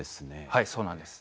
はいそうなんです。